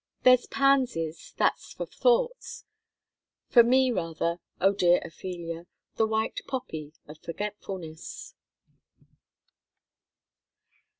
"There's pansies, that's for thoughts!" For me rather, O dear Ophelia, the white poppy of forgetfulness.